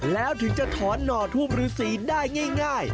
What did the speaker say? แล้วถึงจะถอนหน่อทูปฤษีได้ง่าย